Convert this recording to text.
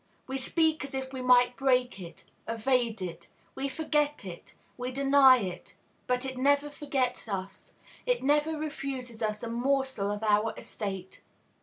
We speak as if we might break it, evade it; we forget it; we deny it: but it never forgets us, it never refuses us a morsel of our estate.